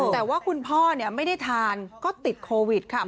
แต่ว่าคุณพ่อไม่ได้ทานก็ติดโควิดค่ะ